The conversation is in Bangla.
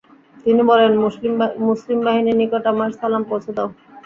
তিনি বললেন, মুসলিম বাহিনীর নিকট আমার সালাম পৌঁছে দাও।